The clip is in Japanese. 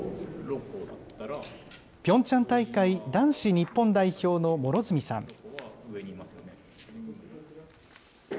ピョンチャン大会男子日本代表の両角さん。